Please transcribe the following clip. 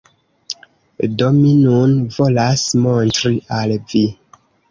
Do, mi nun volas montri al vi